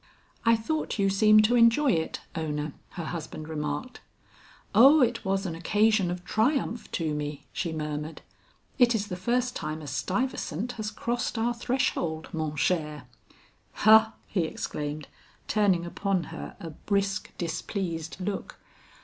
"I thought you seemed to enjoy it, Ona," her husband remarked. "O, it was an occasion of triumph to me," she murmured. "It is the first time a Stuyvesant has crossed our threshold, mon cher." "Ha," he exclaimed, turning upon her a brisk displeased look.